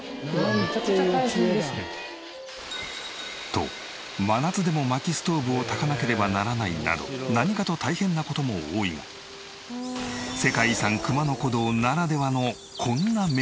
めちゃくちゃ大変ですね。と真夏でも薪ストーブをたかなければならないなど何かと大変な事も多いが世界遺産熊野古道ならではのこんなメリットも。